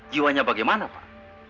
jiwanya bagaimana pak